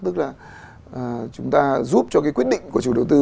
tức là chúng ta giúp cho cái quyết định của chủ đầu tư